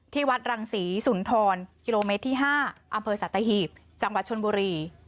ที่วัดรังศรีสุนทรกิโลเมตรที่๕อำเภอสัตหีบจังหวัดชนบุรี